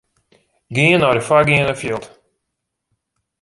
Gean nei de foargeande fjild.